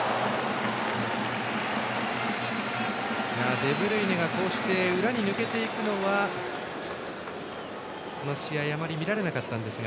デブルイネが裏に抜けていくのはこの試合あまり見られなかったんですが。